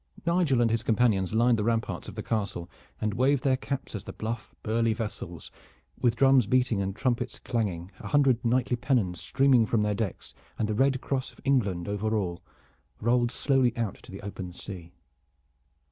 Nigel and his companions lined the ramparts of the castle and waved their caps as the bluff, burly vessels, with drums beating and trumpets clanging, a hundred knightly pennons streaming from their decks and the red cross of England over all, rolled slowly out to the open sea.